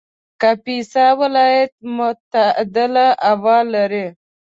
کاپیسا ولایت معتدله هوا لري